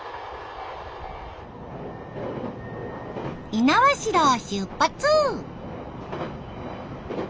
猪苗代を出発！